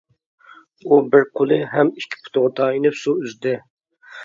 ئۇ بىر قولى ھەم ئىككى پۇتىغا تايىنىپ سۇ ئۈزدى.